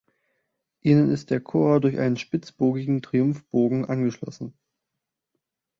Innen ist der Chor durch einen spitzbogigen Triumphbogen angeschlossen.